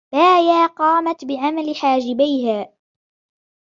بايا قامت بعمل حاجبيها.